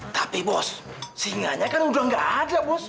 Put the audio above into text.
tapi bos singanya kan udah nggak ada bos